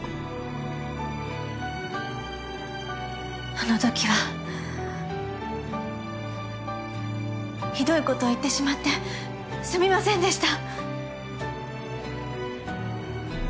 あのときはひどいことを言ってしまってすみませんでした。